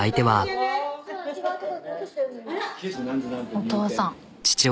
お父さん。